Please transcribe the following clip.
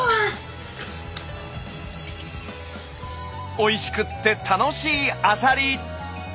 おいしくって楽しいアサリ！